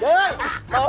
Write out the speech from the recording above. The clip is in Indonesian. jairin ada apa kan